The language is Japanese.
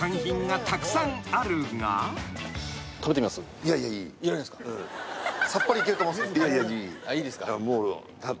いいですか。